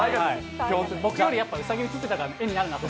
僕よりウサギ写ってたから、絵になるなと。